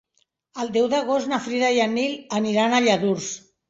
El deu d'agost na Frida i en Nil aniran a Lladurs.